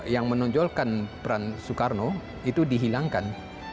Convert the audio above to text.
yang menonjolkan peran soekarno itu dihilangkan